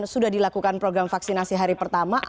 sudah dilakukan program vaksinasi hari pertama